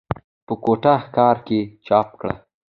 پۀ کوټه ښارکښې چاپ کړه ۔